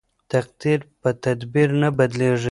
تقدیر په تدبیر نه بدلیږي.